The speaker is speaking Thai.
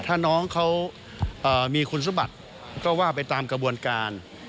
ถ้าน้องเขามีคุณสมบัติก็ว่าไปตามกระบวนการ